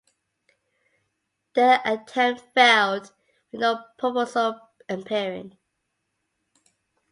The attempt failed with no proposal appearing.